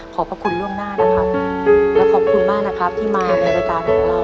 พระคุณล่วงหน้านะครับและขอบคุณมากนะครับที่มาในรายการของเรา